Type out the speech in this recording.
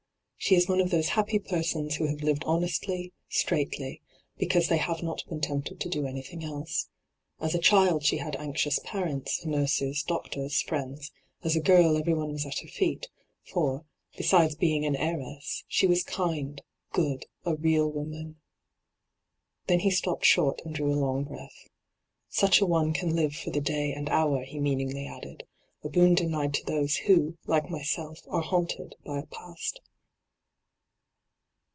She is one of those happy persons who have lived honestly, straightly, because they have not been tempted to do anything else. As a child she luui anxious parents, nurses, doctors, friends ; as a girl everyone was at her feet, for, besides being an heiress, she was kind, good, a real woman.' Then he stopped short and drew a long breath, ' Such a one can live for the day and hour,* he meaningly added, ' a boon denied to those who, like myself, are haunted by a past.'